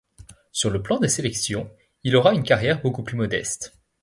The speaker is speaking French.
Sur le plan des sélections, il aura une carrière beaucoup plus modeste.